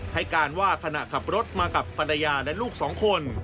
ให้การว่าขณะขับรถมากับภรรยาและลูกสองคน